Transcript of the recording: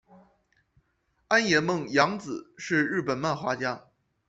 安野梦洋子是日本漫画家。